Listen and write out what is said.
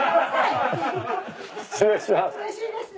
失礼します。